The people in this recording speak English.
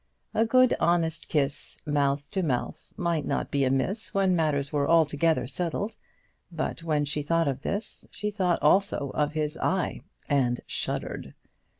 A good honest kiss, mouth to mouth, might not be amiss when matters were altogether settled; but when she thought of this, she thought also of his eye and shuddered.